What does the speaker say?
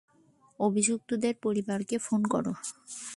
অভিযুক্তের পরিবারকে ফোন কর।